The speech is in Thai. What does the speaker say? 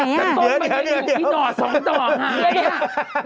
แต่ต้นมันมีหน่อสองต่อไหน